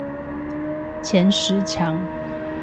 前十強